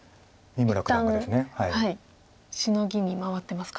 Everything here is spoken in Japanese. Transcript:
シノギに回ってますか。